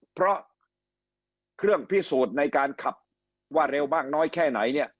เพราะเครื่องพิสูจน์ในการขับว่าเร็วมากน้อยแค่ไหนเนี่ย